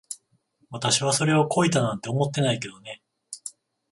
私はそれを恋だなんて思ってないけどね。